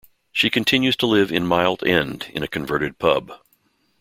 She continues to live in Mile End, in a converted pub.